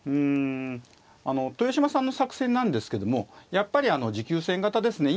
あの豊島さんの作戦なんですけどもやっぱり持久戦型ですね。